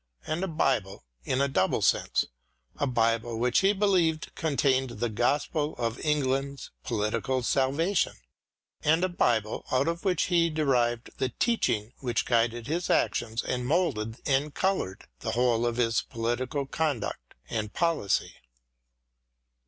And a Bible in a double sense — a. Bible which he believed contained the gospel of England's political salvation, and a Bible out of which he derived the teaching which guided his actions and moulded and coloured the whole of his public conduct and policy.